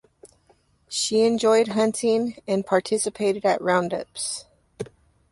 She enjoyed hunting and participated at roundups.